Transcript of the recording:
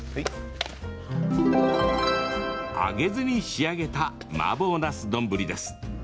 揚げずに仕上げたマーボーなす丼です。